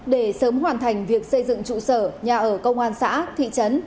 để sớm hoàn thành việc xây dựng trụ sở nhà ở công an xã thị trấn